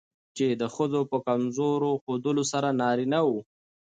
چې د ښځو په کمزور ښودلو سره نارينه وو